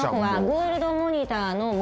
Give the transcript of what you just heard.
グールドモニター？